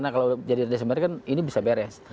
kalau jadi desember ini bisa beres